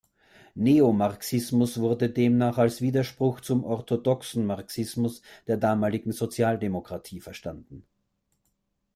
Neomarxismus wurde demnach als Widerspruch zum „orthodoxen“ Marxismus der damaligen Sozialdemokratie verstanden.